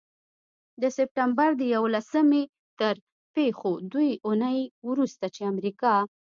د سپټمبر د یوولسمې تر پيښو دوې اونۍ وروسته، چې امریکا